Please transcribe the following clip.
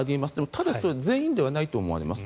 ただし、それは全員ではないと思います。